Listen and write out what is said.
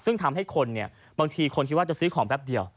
ซึ่งทำให้คนเนี่ยบางทีคนคิดว่าจะซื้อของแป๊บเดียว